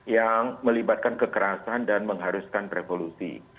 yang melibatkan kekerasan dan mengharuskan revolusi